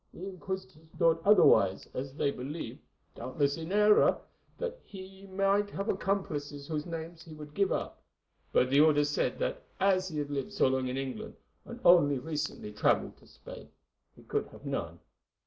The Inquisitors thought otherwise, as they believed —doubtless in error—that he might have accomplices whose names he would give up; but the orders said that as he had lived so long in England, and only recently travelled to Spain, he could have none.